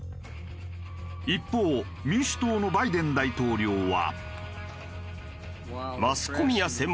一方民主党のバイデン大統領は。